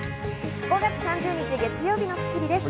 ５月３０日、月曜日の『スッキリ』です。